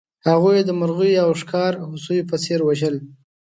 هغوی یې د مرغیو او ښکار هوسیو په څېر وژل.